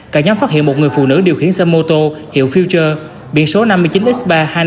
cả nhóm phát hiện một người phụ nữ điều khiển xe mô tô hiệu future biển số năm mươi chín x ba trăm hai mươi năm nghìn tám trăm ba mươi chín